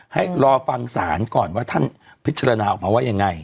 ให้รอฟังศาลก่อนว่าท่านพิจารณาออกมาว่ายังไง